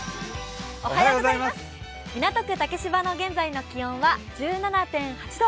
港区竹芝の現在の気温は１７．８度。